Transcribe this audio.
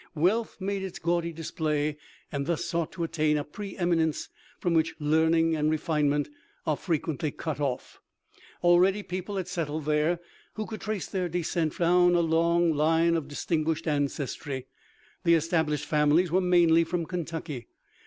Wealth made its gaudy display, and thus sought to attain a pre eminence from which learning and refinement are frequently cut off. Already, people had settled there who could trace their descent down a long line of distinguished ancestry. The established families were mainly from Kentucky.